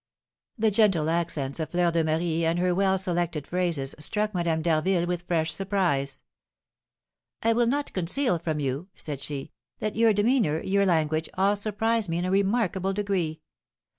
The gentle accents of Fleur de Marie, and her well selected phrases, struck Madame d'Harville with fresh surprise. "I will not conceal from you," said she, "that your demeanour, your language, all surprise me in a remarkable degree.